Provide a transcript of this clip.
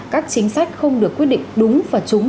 các chính sách không được quyết định đúng và trúng